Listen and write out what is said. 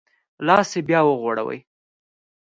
لاس یې بیا وغوړوی.